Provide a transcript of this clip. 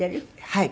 はい。